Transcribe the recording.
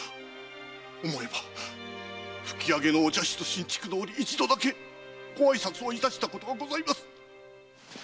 思えば吹上のお茶室新築のおり一度だけご挨拶をいたしたことがございます。